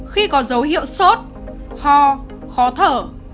khi có dấu hiệu sốt ho khó thở